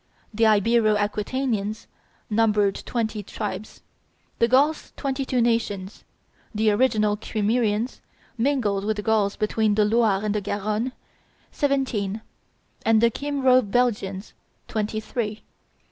The Ibero Aquitanians numbered twenty tribes; the Gauls twenty two nations; the original Kymrians, mingled with the Gauls between the Loire and the Garonne, seventeen; and the Kymro Belgians twenty three.